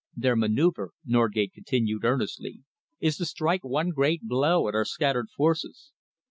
"Their manoeuvre," Norgate continued earnestly, "is to strike one great blow at our scattered forces.